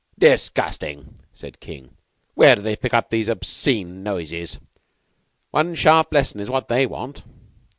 "Disgusting!" said King. "Where do they pick up these obscene noises? One sharp lesson is what they want."